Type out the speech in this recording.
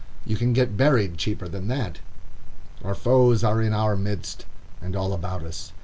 You can get buried cheaper than that. Our foes are in our midst and all about us.